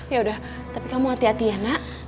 yaudah tapi kamu hati hati ya nak